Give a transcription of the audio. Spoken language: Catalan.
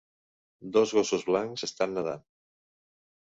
Dos gossos blancs estan nedant.